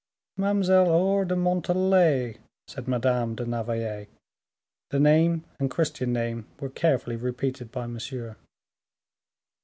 "Mademoiselle Aure de Montalais," said Madame de Navailles. The name and Christian name were carefully repeated by Monsieur.